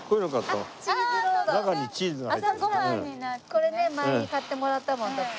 これね前に買ってもらったもん徳さんに。